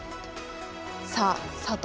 さあ佐藤